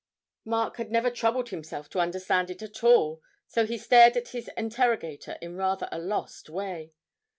Mark had never troubled himself to understand it at all, so he stared at his interrogator in rather a lost way.